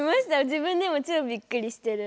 自分でも超びっくりしてる。